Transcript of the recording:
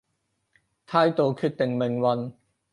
態度決定命運